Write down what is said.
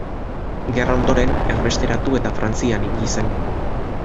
Gerra ondoren, erbesteratu eta Frantzian ibili zen.